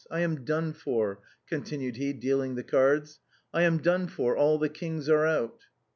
I am done for," continued he, dealing the cards ; "I am done for, all the kings are out."